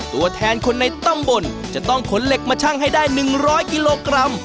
ตัวแทนคนในตำบลจะต้องขนเหล็กมาชั่งให้ได้๑๐๐กิโลกรัม